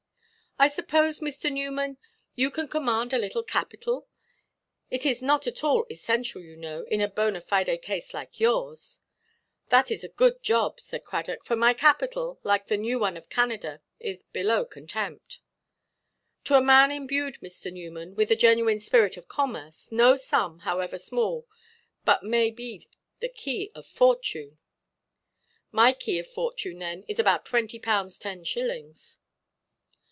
"I suppose, Mr. Newman, you can command a little capital? It is not at all essential, you know, in a bonâ fide case like yours." "Thatʼs a good job," said Cradock; "for my capital, like the new one of Canada, is below contempt." "To a man imbued, Mr. Newman, with the genuine spirit of commerce, no sum, however small, but may be the key of fortune." "My key of fortune, then, is about twenty pounds ten shillings."